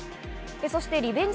そしてリベンジ